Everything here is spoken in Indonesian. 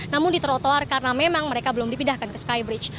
sedangkan ke sky bridge